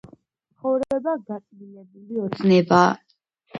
ცხოვრება გაწბილებული ოცნებაა,